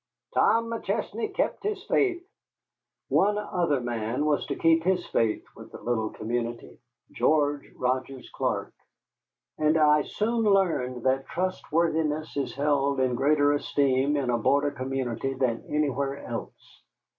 "Tom McChesney kept his faith." One other man was to keep his faith with the little community George Rogers Clark. And I soon learned that trustworthiness is held in greater esteem in a border community than anywhere else.